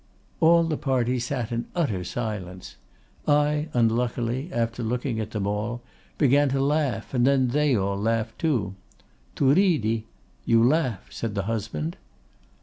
"All the party sat in utter silence; I, unluckily, after looking at them all, began to laugh, and then they all laughed too.—'Tu ridi?—you laugh?' said the husband.